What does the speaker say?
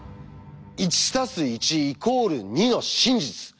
「１＋１＝２」の真実。